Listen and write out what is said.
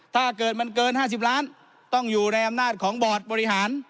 ถ้าเกิดมันเกิน๕๐ล้านต้องอยู่ในอำนาจของบอร์ดบริหาร